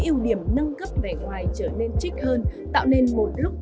ưu điểm nâng cấp vẻ ngoài trở nên trích hơn tạo nên một lúc